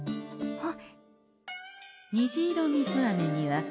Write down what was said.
あっ！